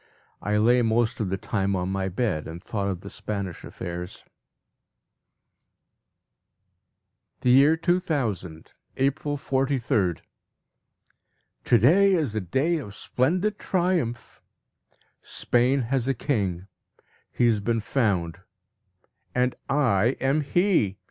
I lay most of the time on my bed, and thought of the Spanish affairs. The year 2000: April 43rd. To day is a day of splendid triumph. Spain has a king; he has been found, and I am he.